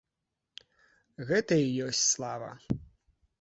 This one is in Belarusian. Гэта і ёсць слава.